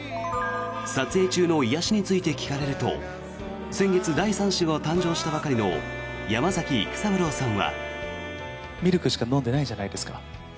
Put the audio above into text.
撮影中の癒やしについて聞かれると先月、第３子が誕生したばかりの山崎育三郎さんは。